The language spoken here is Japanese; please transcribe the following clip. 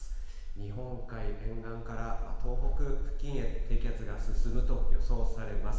日本海沿岸から東北付近へ低気圧が進むと予想されます。